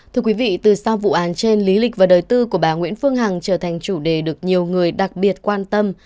thưa quý vị từ sau vụ án trên lý lịch và đời tư của bà nguyễn phương hằng trở thành chủ đề được nhiều người đặc biệt quan tâm